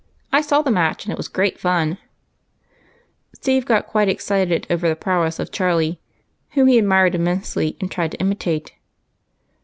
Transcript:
I saw the match, and it was great fun !" Steve got quite excited over the prowess of Charlie, whom he admired immensely, and tried to imitate.